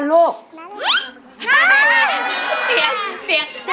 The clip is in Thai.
นั่นเลยค่ะลูก